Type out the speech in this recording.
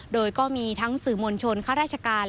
โดยก็มีทั้งสื่อมวลชนข้าราชการ